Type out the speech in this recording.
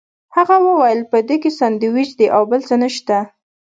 هغه وویل په دې کې ساندوېچ دي او بل څه نشته.